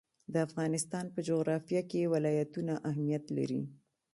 د افغانستان په جغرافیه کې ولایتونه اهمیت لري.